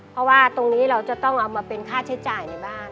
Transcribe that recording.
เพราะว่าตรงนี้เราจะต้องเอามาเป็นค่าใช้จ่ายในบ้าน